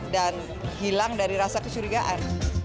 dan hilang dari rasa kesurigaan